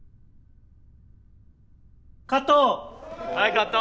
カット。